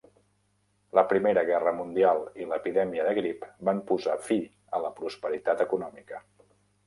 La Primera Guerra Mundial i la epidèmia de grip van posar fi a la prosperitat econòmica.